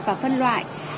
và phân loại